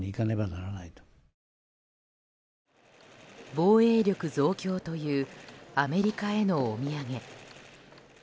防衛力増強というアメリカへのお土産。